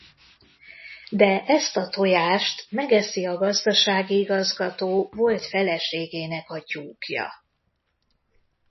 De ezt a tojást megeszi a gazdasági igazgató volt feleségének a tyúkja.